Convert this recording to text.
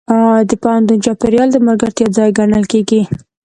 د پوهنتون چاپېریال د ملګرتیا ځای ګڼل کېږي.